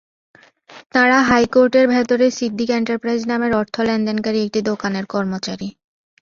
তাঁরা হাইকোর্টের ভেতরে সিদ্দিক এন্টারপ্রাইজ নামের অর্থ লেনদেনকারী একটি দোকানের কর্মচারী।